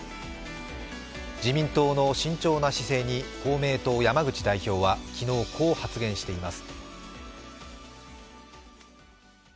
自民党の慎重な姿勢に公明党・山口代表は昨日、こう発言しています。